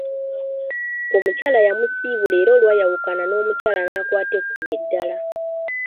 Omukyula yamusiibula era olwayawukana n’omukyala n’akwata ekkubo eddala.